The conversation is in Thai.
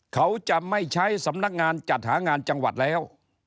เขาจะไม่ใช้สำนักงานจัดหางานจังหวัดแล้ว